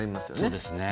そうですね。